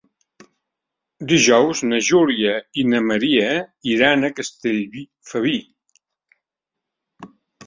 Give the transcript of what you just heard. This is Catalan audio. Dijous na Júlia i na Maria iran a Castellfabib.